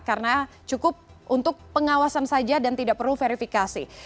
karena cukup untuk pengawasan saja dan tidak perlu verifikasi